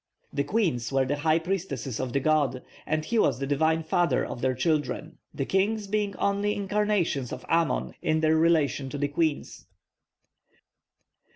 The queens were the high priestesses of the god, and he was the divine father of their children; the kings being only incarnations of Amon in their relation to the queens.